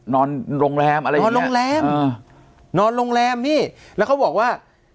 นอนโรงแรมอะไรอย่างนี้นอนโรงแรมอ่านอนโรงแรมนี่แล้วเขาบอกว่า